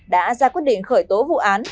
đã ra quyết định khởi tố vụ án